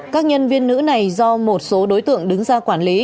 các nhân viên nữ này do một số đối tượng đứng ra quản lý